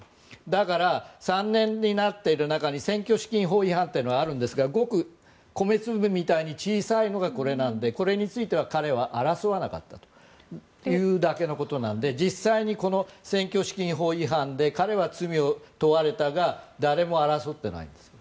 だから、３年になっている中に選挙資金法違反というのがあるんですが、ごく米粒みたいに小さいのがこれなのでこれについては彼は争わなかったというだけのことなので実際にこの選挙資金法違反で彼は罪に問われたが誰も争ってないんです。